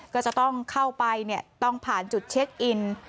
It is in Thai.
ก็จะต้องเข้าไปต้องผ่านจุดเช็คอิน